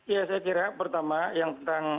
ya saya kira pertama yang tentang